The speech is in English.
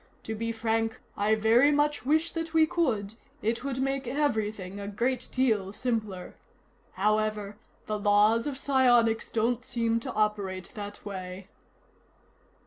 To be frank, I very much wish that we could; it would make everything a great deal simpler. However, the laws of psionics don't seem to operate that way."